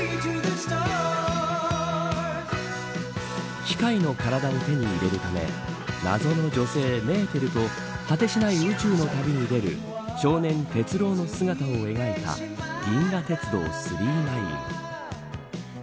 機械の体を手に入れるため謎の女性メーテルと果てしない宇宙の旅に出る少年鉄郎の姿を描いた銀河鉄道９９９。